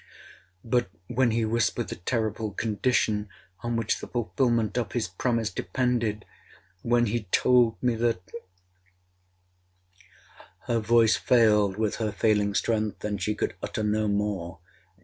But—when he whispered the terrible condition on which the fulfilment of his promise depended—when he told me that'— 'Her voice failed with her failing strength, and she could utter no more.